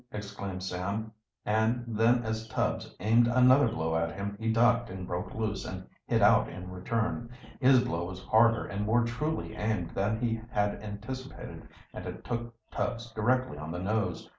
exclaimed Sam; and then as Tubbs aimed another blow at him he ducked and broke loose and hit out in return. His blow was harder and more truly aimed than he had anticipated, and it took Tubbs directly on the nose.